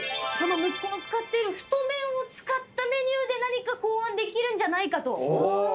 その息子の使っている太麺を使ったメニューで何か考案できるんじゃないかと。